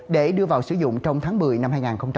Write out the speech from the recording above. để đưa vào sử dụng trong tháng một mươi năm hai nghìn hai mươi